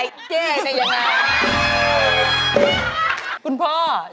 พ่อเชื่อมันในตัวลูกพ่อได้